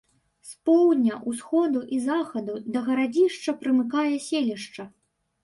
З поўдня, усходу і захаду да гарадзішча прымыкае селішча.